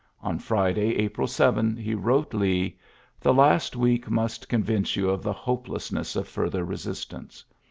On Friday, April 7, lie wrote Lee : ^^The last week mnst con vince yon of the hopelessness of farther resistance.